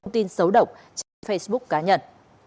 tin xấu độc trên facebook cá nhân